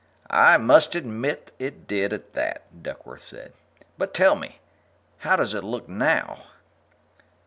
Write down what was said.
"I must admit it did, at that," Duckworth said. "But tell me how does it look now?"